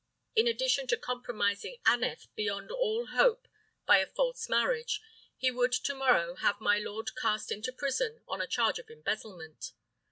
In addition to compromising Aneth beyond all hope by a false marriage, he would to morrow have my lord cast into prison on a charge of embezzlement.